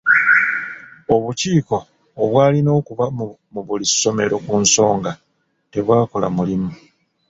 Obukiiko obwalina okuba mu buli ssomero ku nsonga tebwakola mulimu.